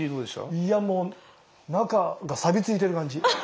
いやもう中がさびついてる感じ！